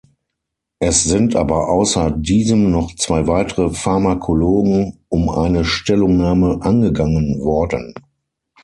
Es sind aber außer diesem noch zwei weitere Pharmakologen um eine Stellungnahme angegangen worden.